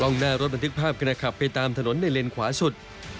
ร่องหน้ารถบันทึกภาพกำหน้าขับไปตามถนนในเลนส์ขวาสุด